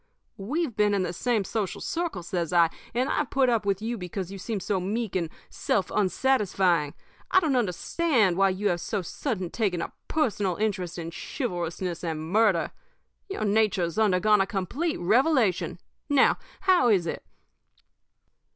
We've been in the same social circle,' says I, 'and I've put up with you because you seemed so meek and self un satisfying. I don't understand why you have so sudden taken a personal interest in chivalrousness and murder. Your nature's undergone a complete revelation. Now, how is it?'